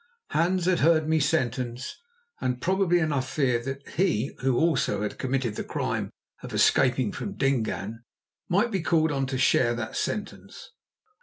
Hans had heard me sentenced, and probably enough feared that he who also had committed the crime of escaping from Dingaan, might be called on to share that sentence.